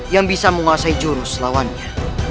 yang bisa menguasai jurus lawannya